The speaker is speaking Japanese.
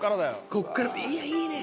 「ここからいやいいね」